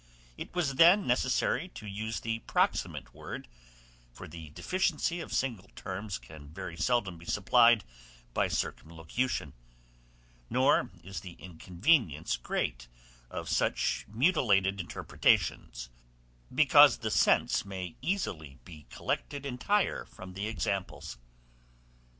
It was then necessary to use the proximate word, for the deficiency of single terms can very seldom be supplied by circumlocution; nor is the inconvenience great of such mutilated interpretations, because the sense may easily be collected entire from the examples.